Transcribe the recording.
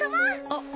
あっ！